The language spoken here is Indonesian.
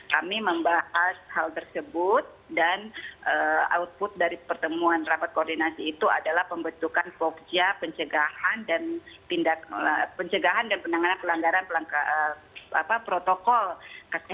kami membahas hal tersebut dan output dari pertemuan rapat koordinasi itu adalah pembentukan fogja pencegahan dan tindak pencegahan dan penanganan pelanggaran protokol kesehatan